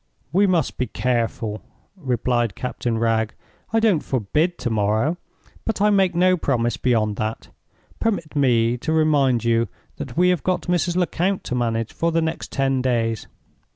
"We must be careful," replied Captain Wragge. "I don't forbid to morrow, but I make no promise beyond that. Permit me to remind you that we have got Mrs. Lecount to manage for the next ten days."